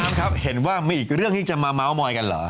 ครับเห็นว่ามีอีกเรื่องที่จะมาเมาส์มอยกันเหรอ